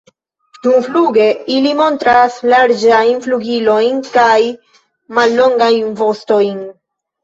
Dumfluge ili montras larĝajn flugilojn kaj mallongajn vostojn.